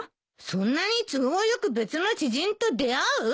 そんなに都合良く別の知人と出会う？